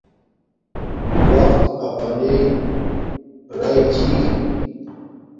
وقت اپانݵ راݵ چھی